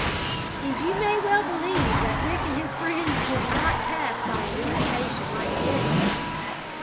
And you may well believe that Rick and his friends did not pass by an invitation like this.